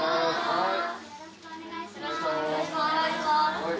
よろしくお願いします。